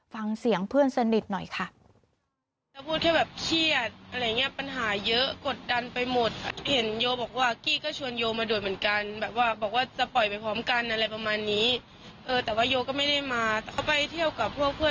ฟังเสียงเพื่อนสนิทหน่อยค่ะ